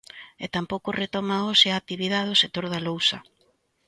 E tampouco retoma hoxe a actividade o sector da lousa.